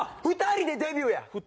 ２人でデビューや！